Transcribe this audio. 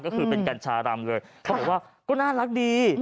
ก็คือเป็นกัญชารำเลยเขาบอกว่าก็น่ารักดี